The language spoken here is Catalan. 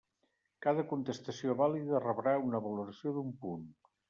Cada contestació vàlida rebrà una valoració d'un punt.